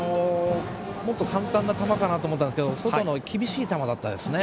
もっと簡単な球かなと思いましたが外の厳しい球でしたね。